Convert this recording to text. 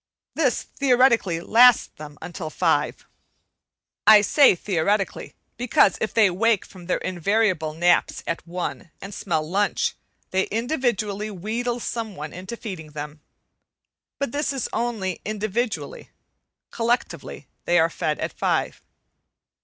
This theoretically lasts them until five. I say theoretically, because if they wake from their invariable naps at one, and smell lunch, they individually wheedle some one into feeding them. But this is only individually. Collectively they are fed at five.